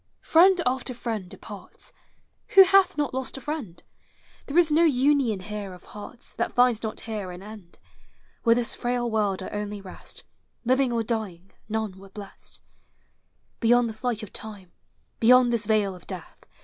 Friend after friend departs: Who hath not lost a friend? There is no union here of hearts That finds not here an end ; Digitized by Google POEMS OF FRIENDSHIP. Were this frail world our only rest, Living or dying, none .were blest. Beyond the flight of time, Beyond this vale of death.